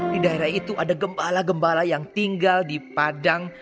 di daerah itu ada gembala gembala yang tinggal di padang